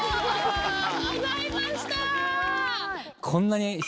こんなに。